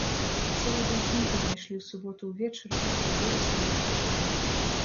Цела дзяўчынкі знайшлі ў суботу ўвечары ў калідоры сталічнай школы.